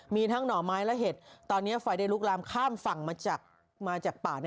มีทั้งหน่อไม้และเห็ดตอนนี้ไฟได้ลุกลามข้ามฝั่งมาจากป่า